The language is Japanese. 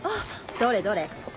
どれどれ。